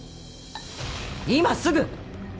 今すぐ！